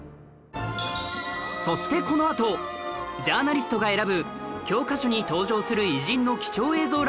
そしてこのあとジャーナリストが選ぶ教科書に登場する偉人の貴重映像ランキング